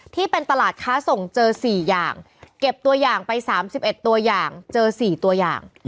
ที่เป็นตลาดค้าส่งเจอ๔อย่างเก็บตัวอย่างไป๓๑ตัวอย่างเจอ๔ตัวอย่าง